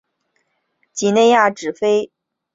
几内亚指西非几内亚湾沿岸地区。